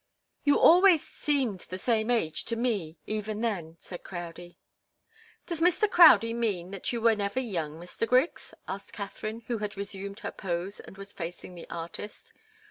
"You always seemed the same age, to me, even then," said Crowdie. "Does Mr. Crowdie mean that you were never young, Mr. Griggs?" asked Katharine, who had resumed her pose and was facing the artist.